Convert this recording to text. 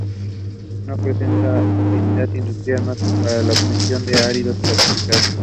No presentan utilidad industrial, más que para la obtención de áridos clasificados.